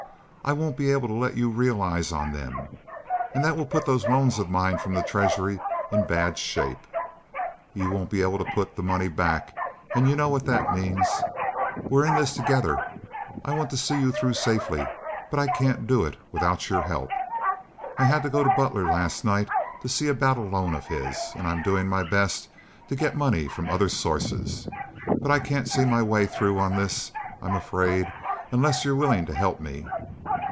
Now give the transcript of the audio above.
I won't be able to let you realize on them, and that will put those loans of mine from the treasury in bad shape. You won't be able to put the money back, and you know what that means. We're in this thing together. I want to see you through safely, but I can't do it without your help. I had to go to Butler last night to see about a loan of his, and I'm doing my best to get money from other sources. But I can't see my way through on this, I'm afraid, unless you're willing to help me."